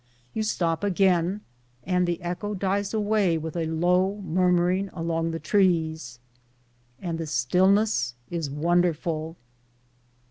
You stop again, and the echo dies away with a low murmur ing along the trees, and the stillness is wonderful.